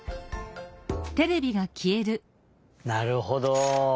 なるほど。